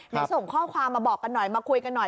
ไหนส่งข้อความมาบอกกันหน่อยมาคุยกันหน่อย